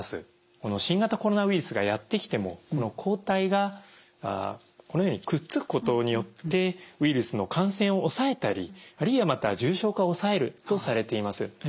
この新型コロナウイルスがやって来てもこの抗体がこのようにくっつくことによってウイルスの感染を抑えたりあるいはまた重症化を抑えるとされています。